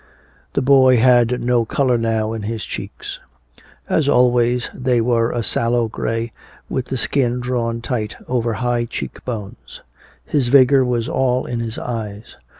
The boy had no color now in his cheeks; as always, they were a sallow gray with the skin drawn tight over high cheek bones; his vigor was all in his eyes.